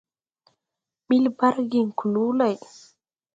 Ɓil bargiŋ kluu lay.